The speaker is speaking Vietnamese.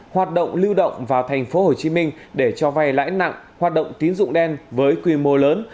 hoạt động lưu động vào thành phố hồ chí minh để cho vay lãi nặng hoạt động tiến dụng đen với quy mô lớn